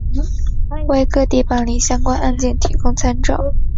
为各地办理相关案件提供参照